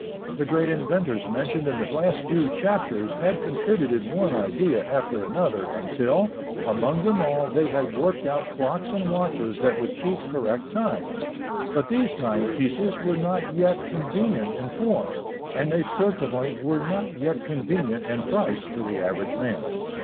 The great inventors mentioned in the last few chapters had contributed one idea after another, until, among them all they had worked out clocks and watches that would keep correct time. But these timepieces were not yet convenient in form, and they certainly were not yet convenient in price for the average man.